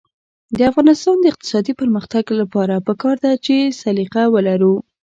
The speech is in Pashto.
د افغانستان د اقتصادي پرمختګ لپاره پکار ده چې سلیقه ولرو.